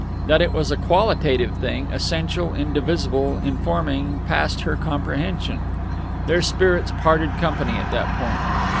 That it was a qualitative thing, essential, indivisible, informing, passed her comprehension. Their spirits parted company at that point.